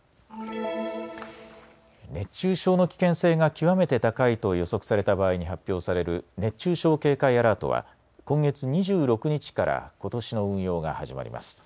熱中症の危険性が極めて高いと予測された場合に発表される熱中症警戒アラートは今月２６日からことしの運用が始まります。